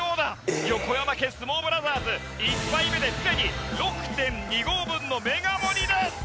横山家相撲ブラザーズ１杯目ですでに６．２合分のメガ盛りです！